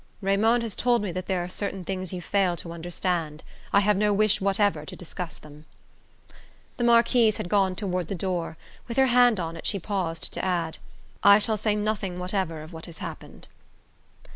"Raymond has told me that there are certain things you fail to understand I have no wish whatever to discuss them." The Marquise had gone toward the door; with her hand on it she paused to add: "I shall say nothing whatever of what has happened."